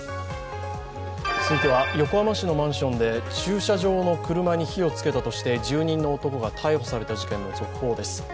横浜市のマンションで駐車場の車に火をつけたとして住人の男が逮捕された事件の続報です。